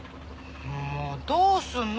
もうどうすんの？